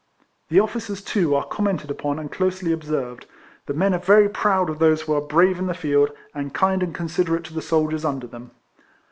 The officers, too, are commented upon and closely observed. The men are very proud of those who are brave in the field, and kind and considerate to the soldiers under them.